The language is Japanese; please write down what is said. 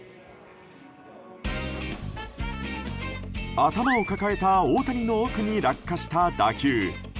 頭を抱えた大谷の奥に落下した打球。